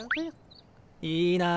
いいなあ。